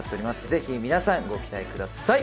「ぜひ皆さんご期待ください」